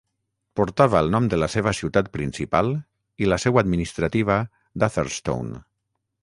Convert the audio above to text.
Portava el nom de la seva ciutat principal i la seu administrativa d'Atherstone.